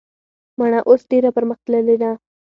مڼه اوس ډیره پرمختللي ده